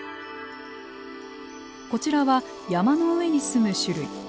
こちらは山の上に住む種類。